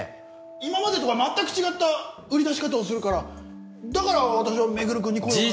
今までとは全く違った売り出し方をするからだから私は周君に声をかけたんです。